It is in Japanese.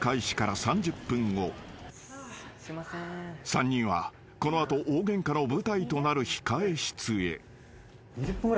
［３人はこの後大ゲンカの舞台となる控室へ］